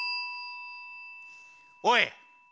おい。